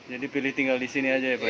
jadi beli tinggal disini aja ya pak